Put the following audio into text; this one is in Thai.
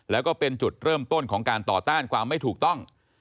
แล้วก็เป็นจุดเริ่มต้นของการต่อต้านความไม่ถูกต้อง